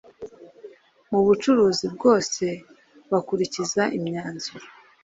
mu bucuruzi bwose bakurikiza imyanzuro